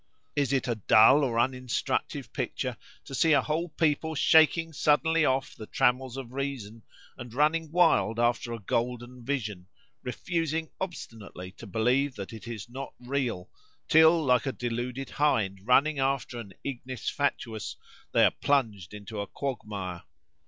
Is it a dull or uninstructive picture to see a whole people shaking suddenly off the trammels of reason, and running wild after a golden vision, refusing obstinately to believe that it is not real, till, like a deluded hind running after an ignis fatuus, they are plunged into a quagmire?